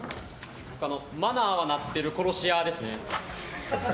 マナーはなってる殺し屋ですね。